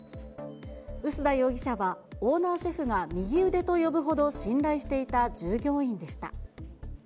臼田容疑者はオーナーシェフが右腕と呼ぶほど信頼していた従業員でした。